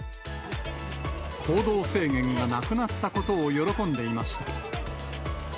行動制限がなくなったことを喜んでいました。